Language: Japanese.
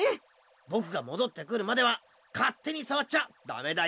ぼくがもどってくるまではかってにさわっちゃだめだよ。